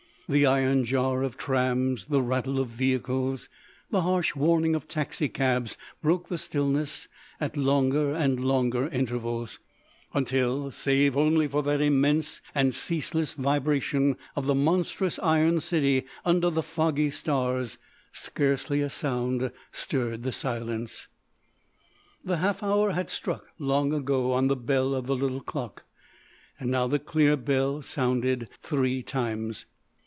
The iron jar of trams, the rattle of vehicles, the harsh warning of taxicabs broke the stillness at longer and longer intervals, until, save only for that immense and ceaseless vibration of the monstrous iron city under the foggy stars, scarcely a sound stirred the silence. The half hour had struck long ago on the bell of the little clock. Now the clear bell sounded three times.